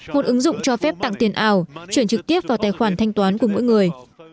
một ứng dụng cho phép tặng tiền ảo chuyển trực tiếp vào tài khoản thanh toán của mỗi người